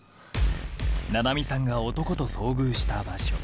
菜々美さんが男と遭遇した場所